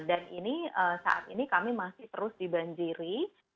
dan ini saat ini kami masih terus dibanjiri